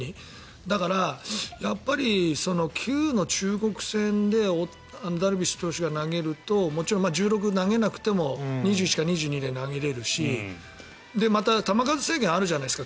だから、９の中国戦でダルビッシュ投手が投げるともちろん１６に投げなくても２１か２２で投げれるしまた球数制限があるじゃないですか。